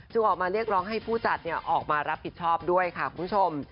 ออกมาเรียกร้องให้ผู้จัดออกมารับผิดชอบด้วยค่ะคุณผู้ชม